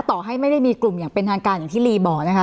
ต่อให้ไม่ได้มีกลุ่มอย่างเป็นทางการอย่างที่ลีบอกนะคะ